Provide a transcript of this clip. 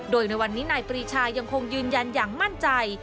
โดยในวันนี้นายปรีชายังคงยืนยันอย่างมั่นใจ